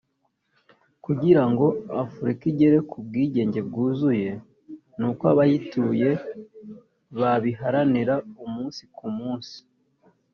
kugira ngo Afurika igere ku bwigenge bwuzuye ni uko abayituye babiharanira umunsi ku munsi”